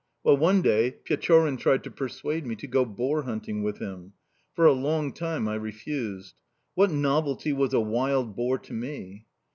"Well, one day Pechorin tried to persuade me to go boar hunting with him. For a long time I refused. What novelty was a wild boar to me?